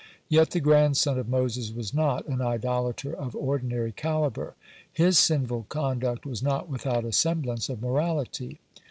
Yet, the grandson of Moses was not an idolater of ordinary calibre. His sinful conduct was not without a semblance of morality.